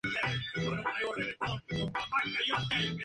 Nació para escultor y de su estudio salieron buenos escultores.